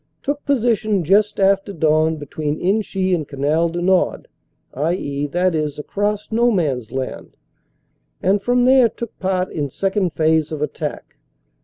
Took position just after dawn between Inchy and Canal du Nord ; i.e., across No Man s Land, and from there took part in second phase of attack.